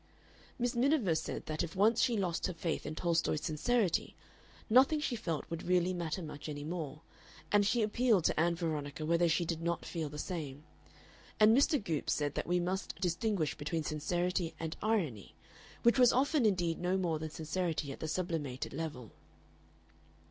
Miss Miniver said that if once she lost her faith in Tolstoy's sincerity, nothing she felt would really matter much any more, and she appealed to Ann Veronica whether she did not feel the same; and Mr. Goopes said that we must distinguish between sincerity and irony, which was often indeed no more than sincerity at the sublimated level.